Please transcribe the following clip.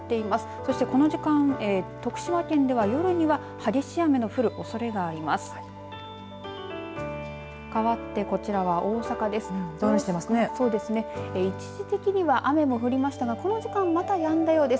そして、この時間徳島県などでは夜には激しい雨の降るおそれがあります。